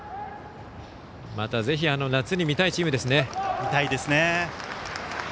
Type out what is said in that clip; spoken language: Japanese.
またぜひ夏に見たいチームですね。